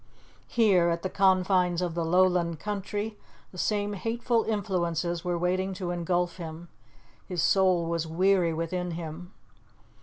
Here, at the confines of the Lowland country, the same hateful influences were waiting to engulf him. His soul was weary within him.